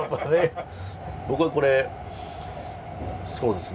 僕はこれそうですね。